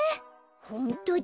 ホントだ。